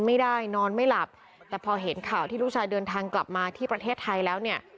ไม่ได้นอนไม่หลับแต่พอเห็นข่าวที่ลูกชายเดินทางกลับมาที่ประเทศไทยแล้วเนี่ย